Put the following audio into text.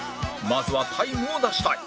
まずはタイムを出したい